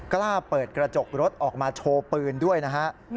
กล้าเปิดกระจกรถออกมาโชว์ปืนด้วยนะฮะ